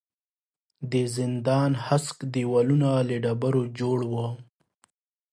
د زندان هسک دېوالونه له ډبرو جوړ وو.